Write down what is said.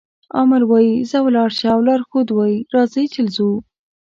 آمر وایي ځه ولاړ شه او لارښود وایي راځئ چې ځو.